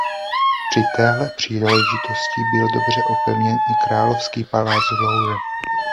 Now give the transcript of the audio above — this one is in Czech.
Při této příležitosti byl dobře opevněn i královský palác Louvre.